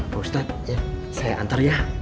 pak ustadz saya antar ya